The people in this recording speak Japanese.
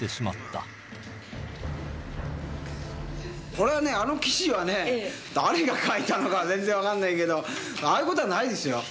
俺はね、あの記事はね、誰が書いたのか、全然分かんないけど、ああいうことはないですよ。